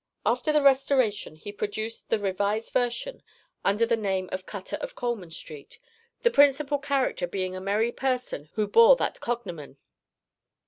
After the Restoration he produced the revised version under the name of Cutter of Coleman Street, the principal character being a merry person who bore that cognomen.